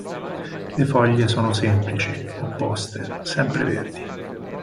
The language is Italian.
Le foglie sono semplici, opposte, sempreverdi.